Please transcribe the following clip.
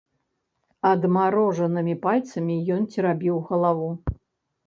Адмарожанымі пальцамі ён церабіў галаву.